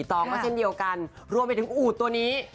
สองก็เช่นเดียวกันรวมไปถึงอูดตัวนี้